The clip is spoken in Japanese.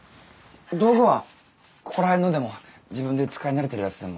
道具はここら辺のでも自分で使い慣れてるやつでもどっちでも。